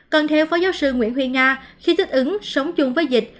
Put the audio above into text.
còn theo phó giáo sư nguyễn huy nga khi thích ứng sống chung với dịch